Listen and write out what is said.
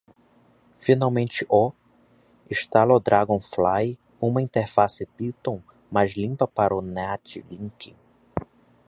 Finalmente o? instala o Dragonfly? uma interface Python mais limpa para o NatLink.